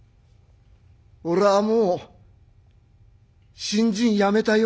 俺はもう信心やめたよ」。